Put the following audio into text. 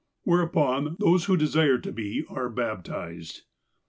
Whereupon, those who desire to be are baptized.